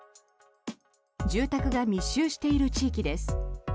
住宅が密集している地域です。